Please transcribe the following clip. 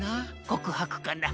こくはくかな？